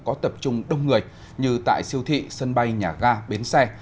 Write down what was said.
có tập trung đông người như tại siêu thị sân bay nhà ga bến xe